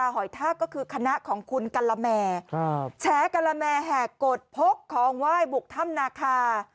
แหม้แหกกฎพกคองไหว้บุกธรรมนาคา